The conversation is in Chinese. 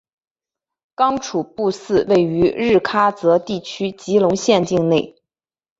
刚楚布寺位于日喀则地区吉隆县境内。